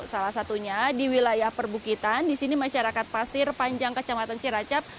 salah satunya di wilayah perbukitan di sini masyarakat pasir panjang kecamatan ciracap